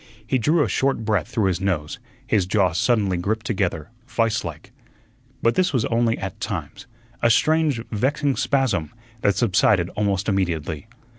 He drew a short breath through his nose; his jaws suddenly gripped together vise like. But this was only at times a strange, vexing spasm, that subsided almost immediately.